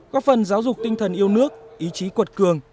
có phần giáo dục tinh thần yêu nước ý chí quật cường